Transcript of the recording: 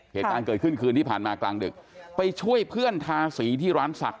เหตุการณ์เกิดขึ้นคืนที่ผ่านมากลางดึกไปช่วยเพื่อนทาสีที่ร้านศักดิ